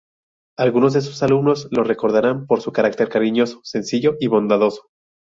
Algunos de sus alumnos lo recordarán por su carácter cariñoso, sencillo y bondadoso.